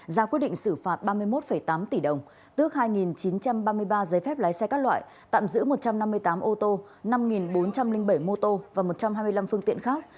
ra quyết định xử phạt ba mươi một tám tỷ đồng tước hai chín trăm ba mươi ba giấy phép lái xe các loại tạm giữ một trăm năm mươi tám ô tô năm bốn trăm linh bảy mô tô và một trăm hai mươi năm phương tiện khác